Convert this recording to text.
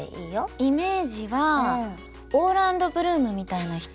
イメージはオーランド・ブルームみたいな人。